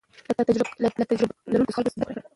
له تجربه لرونکو خلکو زده کړه وکړئ.